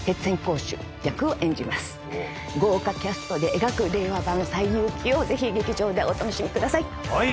豪華キャストで描く令和版『西遊記』をぜひ劇場でお楽しみください。